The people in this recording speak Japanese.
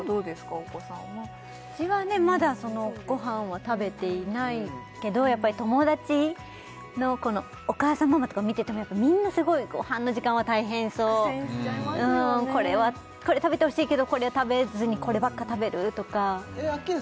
お子さんはうちはねまだご飯は食べていないけどやっぱり友達の子のお母様方を見ててもみんなすごいご飯の時間は大変そうこれ食べてほしいけどこれを食べずにこればっか食べるとかアッキーナ